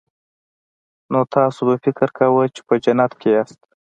نو تاسو به فکر کاوه چې په جنت کې یاست